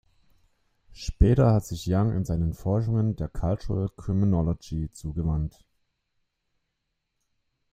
Später hat sich Young in seinen Forschungen der Cultural Criminology zugewandt.